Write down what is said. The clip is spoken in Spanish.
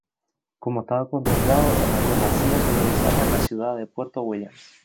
Como estaba contemplado, el avión hacía su aterrizaje en la ciudad de Puerto Williams.